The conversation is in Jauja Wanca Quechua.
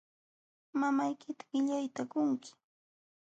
Mamaykita qillayta qunki.